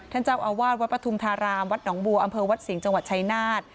ท่านเจ้าอาวาสวัดปฐุมธารามวัดหนองบัวอำเภอวัดสิงห์จังหวัดชายนาฏ